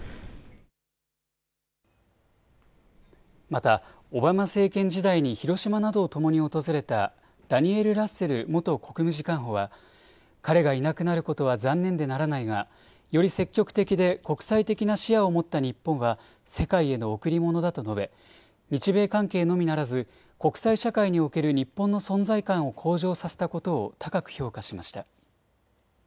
またオバマ政権時代に広島などをともに訪れたダニエル・ラッセル元国務次官補は彼がいなくなることは残念でならないがより積極的で国際的な視野を持った日本は世界への贈り物だと述べ、日米関係のみならず国際社会における日本の存在感を向上させたことを高く評価しました。